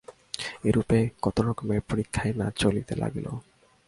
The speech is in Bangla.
এইরূপে কত রকমের পরীক্ষাই না চলিতে লাগিল।